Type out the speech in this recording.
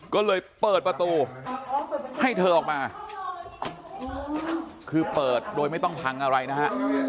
ก็เลยเปิดประตูให้เธอออกมาคือเปิดโดยไม่ต้องพังอะไรนะฮะ